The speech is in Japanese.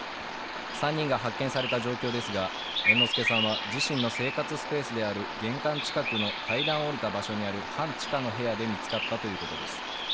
３人が発見された状況ですが、猿之助さんは自身の生活スペースである玄関近くの階段を下りた場所にある半地下の部屋で見つかったということです。